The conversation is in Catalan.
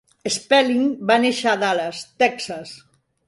Spelling va néixer a Dallas, Texas.